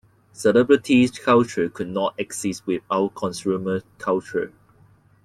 Celebrity culture could not exist without consumer culture.